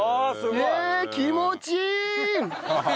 えーっ気持ちいい！